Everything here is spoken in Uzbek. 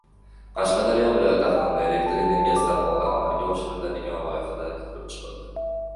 Qashqadaryo viloyati hamda elektr energiyasi tarmog‘ida amalga oshiriladigan loyihalar ko‘rib chiqildi